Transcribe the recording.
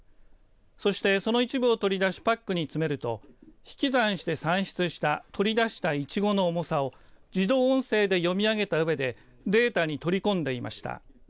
そして、その一部を取り出しパックに詰めると引き算して算出した取り出したいちごの重さを自動音声で読み上げたうえでデータに取り込んでいました。